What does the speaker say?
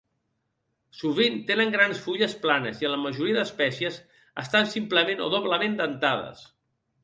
Sovint tenen grans fulles planes i en la majoria d'espècies estan simplement o doblement dentades.